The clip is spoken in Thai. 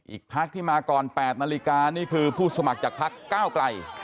อีกพักที่มาก่อน๘นาฬิกานี่คือผู้สมัครจากพักก้าวไกล